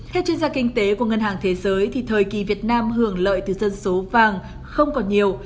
theo chuyên gia kinh tế của ngân hàng thế giới thời kỳ việt nam hưởng lợi từ dân số vàng không còn nhiều